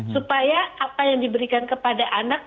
supaya apa yang diberikan kepada anak